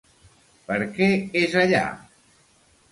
Per què és allà?